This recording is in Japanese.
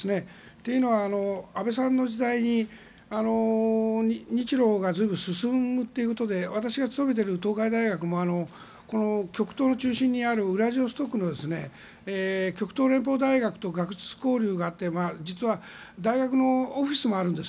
というのは安倍さんの時代に日ロが進むということで私が勤めている東海大学も極東の中心にあるウラジオストクの極東連邦大学と学術交流があって実は、大学のオフィスもあるんです。